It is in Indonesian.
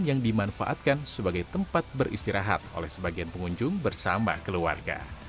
yang dimanfaatkan sebagai tempat beristirahat oleh sebagian pengunjung bersama keluarga